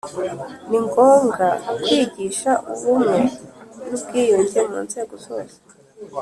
Ni ngombwa kwigisha ubumwe n’ubwiyunge mu nzego zosee